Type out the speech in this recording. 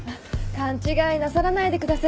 勘違いなさらないでください。